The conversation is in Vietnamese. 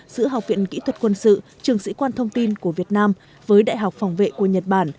giữa học viện kỹ thuật quân sự trường sĩ quan thông tin của việt nam với đại học phòng vệ của nhật bản